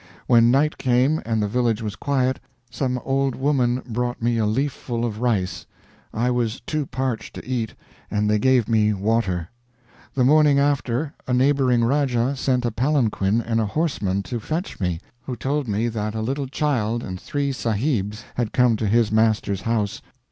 When night came, and the village was quiet, some old woman brought me a leafful of rice. I was too parched to eat, and they gave me water. The morning after a neighboring Rajah sent a palanquin and a horseman to fetch me, who told me that a little child and three Sahibs had come to his master's house.